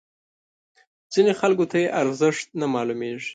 ځینو خلکو ته یې ارزښت نه معلومیږي.